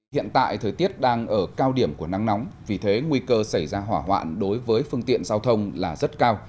hiện tại thời tiết đang ở cao điểm của nắng nóng vì thế nguy cơ xảy ra hỏa hoạn đối với phương tiện giao thông là rất cao